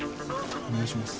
お願いします。